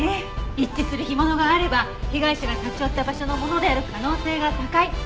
一致する干物があれば被害者が立ち寄った場所のものである可能性が高い。